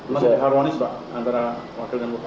masa harmonis pak antara wakil dan bupati